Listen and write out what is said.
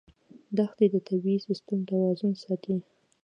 دښتې د طبعي سیسټم توازن ساتي.